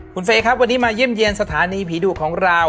คุณเฟย์ครับวันนี้มาเยี่ยมเยี่ยมสถานีผีดุของเรา